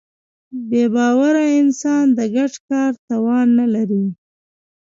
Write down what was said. بېباوره انسان د ګډ کار توان نهلري.